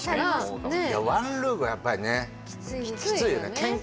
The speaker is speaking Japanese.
ねえワンルームはやっぱりねきついよね